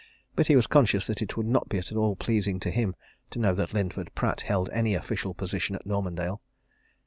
But he was conscious that it would not be at all pleasing to him to know that Linford Pratt held any official position at Normandale.